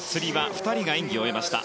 ２人が演技を終えました。